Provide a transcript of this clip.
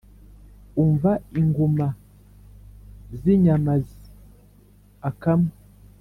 umva inguma z’inyamazi akama.